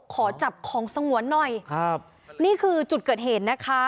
ขอจับของสงวนหน่อยครับนี่คือจุดเกิดเหตุนะคะ